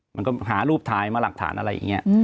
มันก็หารูปถ่ายมาหลักฐานอะไรอย่างนี้